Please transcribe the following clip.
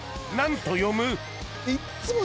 何と読む？